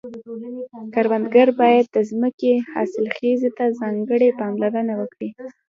کروندګر باید د ځمکې حاصلخیزي ته ځانګړې پاملرنه وکړي.